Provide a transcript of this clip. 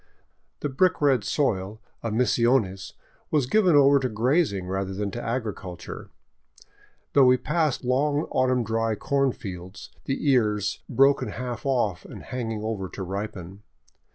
The brick red soil of Misiones was given over to grazing rather than to agriculture, though we passed long autumn dry corn fields, the ears broken half off and hanging over to ripen.